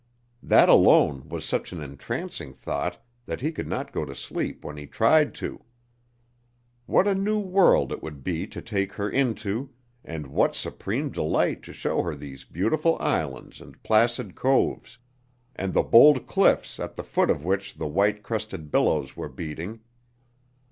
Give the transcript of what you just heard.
That alone was such an entrancing thought that he could not go to sleep when he tried to. What a new world it would be to take her into, and what supreme delight to show her these beautiful islands and placid coves, and the bold cliffs at the foot of which the white crested billows were beating!